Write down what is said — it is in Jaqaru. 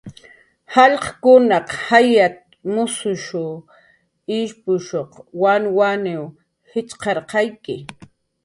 "Jallq'kunaq jayat"" waskun ishpushuq wanwanw jitxqirqayki"